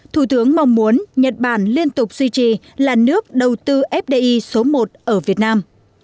thủ tướng mong muốn nhật bản liên tục duy trì là nước đầu tư fdi số một ở việt nam